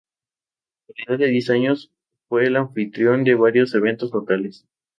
A la edad de diez años, fue el anfitrión de varios eventos locales.